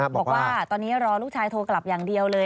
บอกว่าตอนนี้รอลูกชายโทรกลับอย่างเดียวเลย